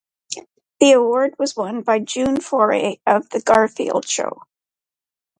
The award was won by June Foray of "The Garfield Show".